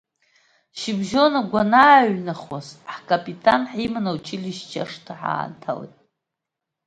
Шьыбжьы агәы анааиҩнахуаз, ҳкапитан ҳиманы, аучилишьче ашҭа ҳанҭалеит.